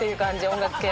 音楽系。